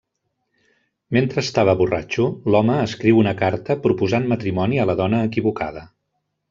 Mentre estava borratxo, l'home escriu una carta proposant matrimoni a la dona equivocada.